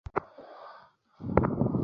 যেটার জন্য আমরা সবাই সমবেত হয়েছি।